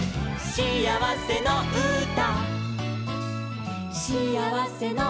「しあわせのうた」